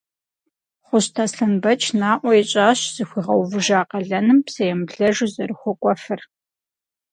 Хъущт Аслъэнбэч наӏуэ ищӏащ зыхуигъэувыжа къалэным псэемыблэжу зэрыхуэкӏуэфыр.